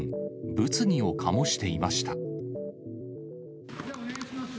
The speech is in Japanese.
物議を醸していました。